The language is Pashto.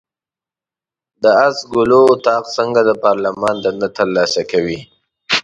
د آس ګلو اطاق څنګه د پارلمان دنده ترسره کوي؟